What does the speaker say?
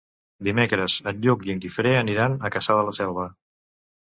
Dimecres en Lluc i en Guifré aniran a Cassà de la Selva.